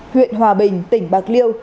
huyện hòa bình tỉnh bạc liêu